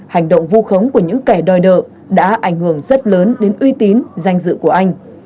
hành động vu khống của những kẻ đòi nợ đã ảnh hưởng rất lớn đến uy tín danh dự của anh